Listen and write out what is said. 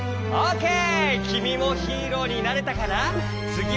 オーケー！